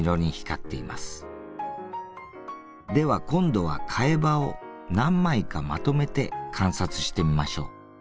では今度は替え刃を何枚かまとめて観察してみましょう。